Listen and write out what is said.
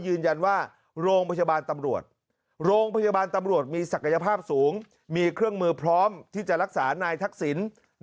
ยืนยันว่าโรงพยาบาลตำรวจมีศักดิ์ภาพสูงมีเครื่องมือพร้อมที่จะรักษานายทักษิน